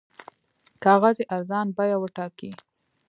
کاغذ یې ارزان بیه وټاکئ.